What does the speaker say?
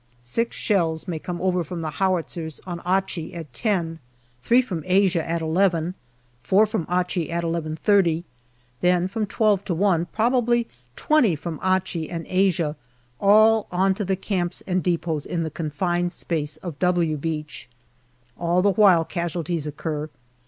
Six shells may come over from the howitzers on Achi at ten, three from Asia at eleven, four from Achi at 11.30, then from twelve to one probably twenty from Achi and Asia, all on to the camps and depots in the confined space of " W " Beach. All the while casualties occur.